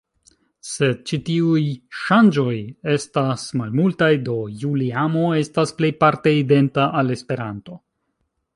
Sed ĉi tiuj ŝanĝoj estas malmultaj, do Juliamo estas plejparte identa al Esperanto.